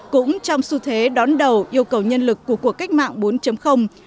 cũng trong xu thế đón đầu yêu cầu nhân lực của cuộc cách mạng bốn